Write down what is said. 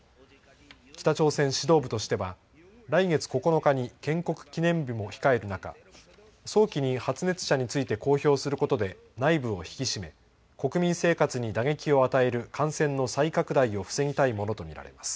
北朝鮮指導部としては来月９日に建国記念日も控える中、早期に発熱者について公表することで内部を引き締め国民生活に打撃を与える感染の再拡大を防ぎたいものと見られます。